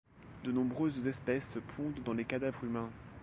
De nombreuses espèces pondent dans les cadavres humains.